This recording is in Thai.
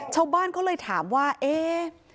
ชาวบ้านเขาเลยถามว่าเอ๊ะ